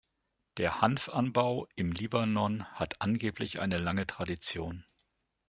Der Hanfanbau im Libanon hat angeblich eine lange Tradition.